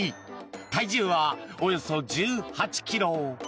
体重はおよそ１８ｋｇ。